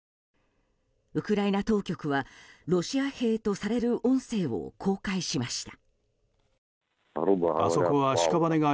ウクライナ当局はロシア兵とされる音声を公開しました。